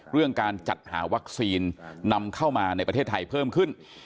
เรื่องการจัดหาวัคซีนนำเข้ามาในประเทศไทยเพิ่มขึ้น